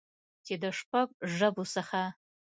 چې د شپږ ژبو څخه